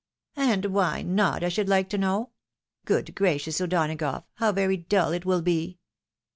" And why not, I should hke to know? Good gracious, O'Donagough ! how very dull it will be